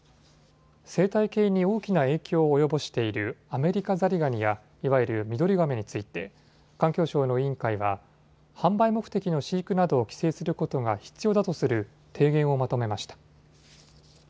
生態系に大きな影響を及ぼしているアメリカザリガニやいわゆるミドリガメについて環境省の委員会は販売目的の飼育などを規制することが必要だとする提言をまとめました。